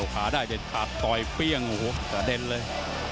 ขาได้เด็ดขาดต่อยเปรี้ยงโอ้โหกระเด็นเลย